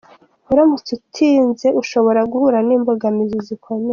Uramutse utinze ushobora guhura n’imbogamizi zikomeye.